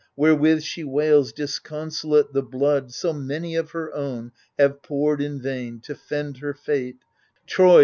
Wherewith she wails disconsolate The blood, so many of her own Have poured in vain, to fend her fate ; Troy